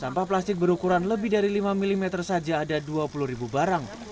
sampah plastik berukuran lebih dari lima mm saja ada dua puluh ribu barang